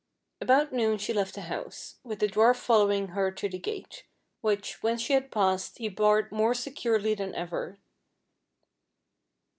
About noon she left the house, with the dwarf following her to the gate, which, when she had passed he barred more securely than ever.